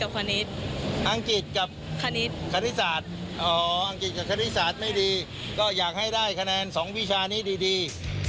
อ๋ออังกฤษกับคฤษฐรรย์ไม่ดีก็อยากให้ได้คะแนน๒วิชานี้ดี